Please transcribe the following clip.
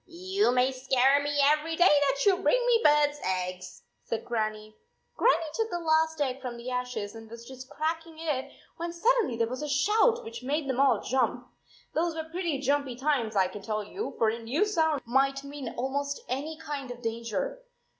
" You may scare me every day that you bring me bird s eggs," said Grannie. Grannie took the last egg from the ashes and was just cracking it when suddenly there was a shout which made them all jump. Those were pretty jumpy times, I can tell you, for a new sound might mean almost any kind of danger.